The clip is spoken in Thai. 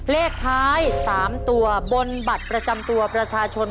เลขท้าย๓ตัวบนบัตรประจำตัวประชาชน